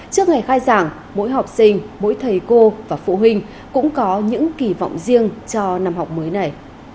trước ngày khai giảng mỗi học sinh mỗi thầy cô và phụ huynh cũng có những kỳ vọng riêng cho năm học mới này